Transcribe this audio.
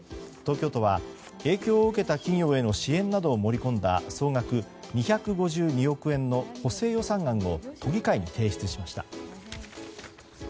東京都は影響を受けた企業への支援などを盛り込んだ総額２５２億円の補正予算案を都議会に提出しました。